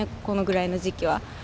このぐらいの時期は。